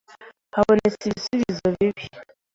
Habonetse ibisubizo bibi